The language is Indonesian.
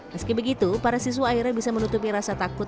meski begitu para siswa akhirnya bisa menutupi rasa takut